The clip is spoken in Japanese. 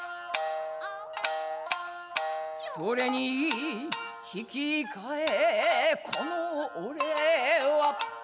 「それに引き換えこの俺は」